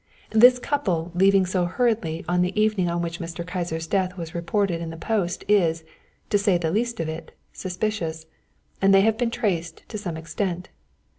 "This couple leaving so hurriedly on the evening on which Mr. Kyser's death was reported in the Post is, to say the least of it, suspicious, and they have been traced to some extent.